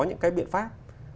những cái biện pháp